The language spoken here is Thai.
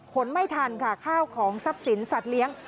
ไม่ทันค่ะข้าวของทรัพย์สินสัตว์เลี้ยง